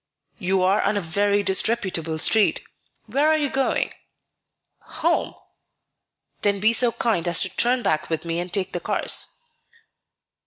"You are on a very disreputable street. Where are you going?" "Home." "Then be so kind as to turn back with me and take the cars."